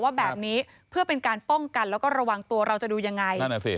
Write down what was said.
ว่าแบบนี้เพื่อเป็นการป้องกันแล้วก็ระวังตัวเราจะดูยังไงนั่นอ่ะสิ